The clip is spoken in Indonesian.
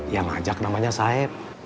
yang ngajak namanya saep